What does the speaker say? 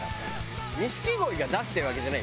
錦鯉が出してるわけじゃない。